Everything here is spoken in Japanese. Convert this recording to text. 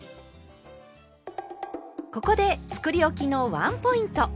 ここでつくりおきのワンポイント。